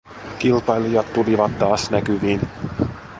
Kilpailijat tulivat taas näkyviin.